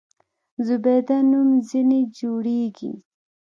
زبیده نوم ځنې جوړېږي.